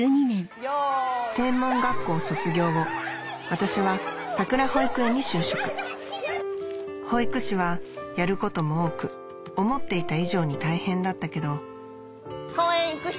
専門学校卒業後私はさくら保育園に就職保育士はやることも多く思っていた以上に大変だったけど公園行く人？